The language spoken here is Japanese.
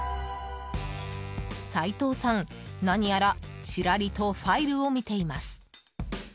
齊藤さん、何やらチラリとファイルを見ています。